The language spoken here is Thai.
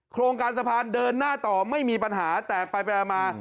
โครงการสะพานเดินหน้าต่อไม่มีปัญหาแตกไปมา